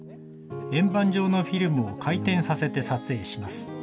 円盤状のフィルムを回転させて撮影します。